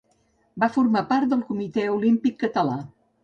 Va formar part del Comitè Olímpic Català.